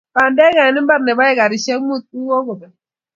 Pandek en imbar ne bo ekarishek munt kokopek